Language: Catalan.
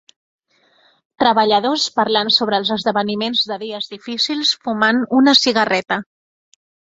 Treballadors parlant sobre els esdeveniments de dies difícils fumant una cigarreta.